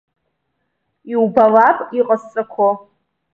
Иубалап иҟасҵақәо.